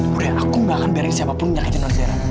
budhe aku gak akan biarin siapapun menyakitin non zairaman